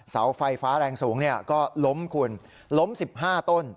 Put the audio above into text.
เสาไฟฟ้าแรงสูงก็ล้มคุณล้ม๑๕ต้น